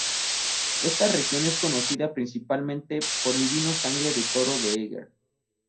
Esta región es conocida principalmente por el vino Sangre de toro de Eger.